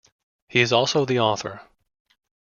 He is also the author.